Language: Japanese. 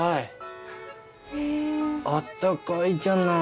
あったかいじゃない。